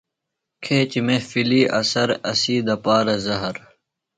کھیچیۡ محفلی اثر ، اسی دپارہ زہر